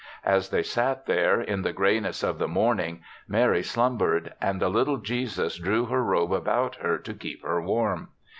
As they sat there in the grayness of the morning, Mary slumbered and the little Jesus drew her robe about her to keep her warm.